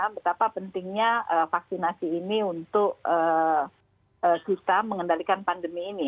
betapa pentingnya vaksinasi ini untuk bisa mengendalikan pandemi ini